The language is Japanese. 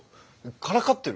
からかってる？